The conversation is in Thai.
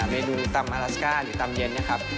เมนูตำฮาลาสก้าหรือตำเย็นนะครับ